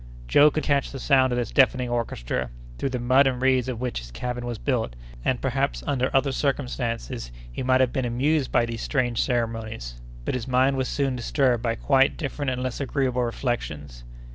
Joe could catch the sound of this deafening orchestra, through the mud and reeds of which his cabin was built; and perhaps under other circumstances he might have been amused by these strange ceremonies; but his mind was soon disturbed by quite different and less agreeable reflections.